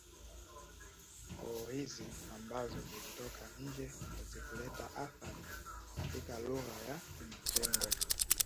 Koo hizi ambazo zilitoka nje hazikuleta athari katika lugha ya kimatengo